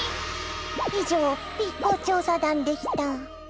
以上Ｂ公調査団でした。